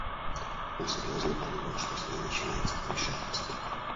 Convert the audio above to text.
Он серьезно подумал, что с ней начинается помешательство.